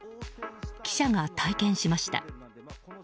記者が体験しました。